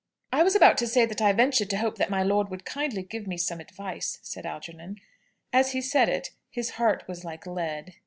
"I was about to say that I ventured to hope that my lord would kindly give me some advice," said Algernon. As he said it his heart was like lead.